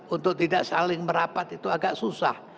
untuk tidak saling merapat itu agak susah